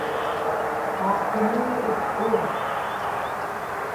taaptumuŋa ikkuuŋ